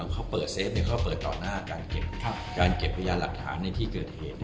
การเก็บพยายามหลักฐานในที่เกิดเหตุ